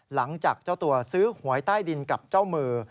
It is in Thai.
หลังจากเจ้าตัวซื้อหวยใต้ดินกับเจ้ามือ